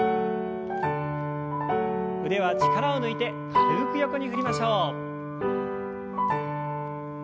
腕は力を抜いて軽く横に振りましょう。